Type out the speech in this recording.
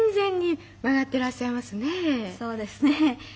そうですね。